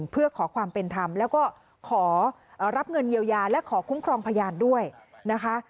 เพื่อขอความเป็นธรรมแล้วก็ขอรับเงินเยียวยาและขอคุ้มครองพยานด้วยนะคะ